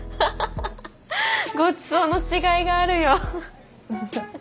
ごちそうのしがいがあるよ。